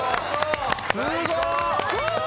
すごっ！